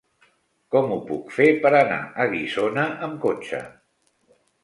Com ho puc fer per anar a Guissona amb cotxe?